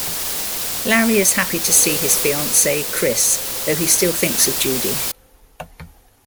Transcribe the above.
Larry is happy to see his fiancee, Chris, though he still thinks of Judy.